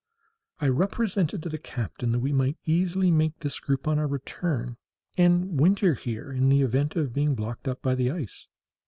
I represented to the captain that we might easily make this group on our return, and winter here in the event of being blocked up by the ice.